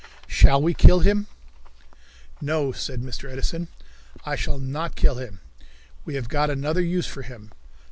Shall We Kill Him? "No," said Mr. Edison, "I shall not kill him. We have got another use for him.